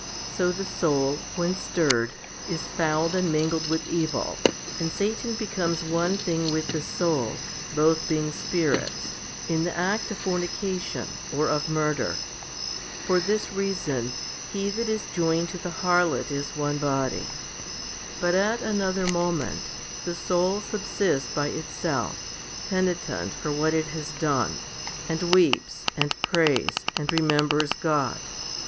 So the soul, when stirred, is fouled 134 HOMILY XVI 135 and mingled with evil, and Satan becomes one thing with the soul, both being spirits, in the act of fornication or of murder. For this reason, he that is joined to the harlot is one body. 1 But at another moment the soul subsists by itself, penitent for what it has done, and weeps and prays, and remembers God.